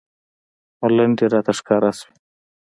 ملنډې راته ښکاره شوې.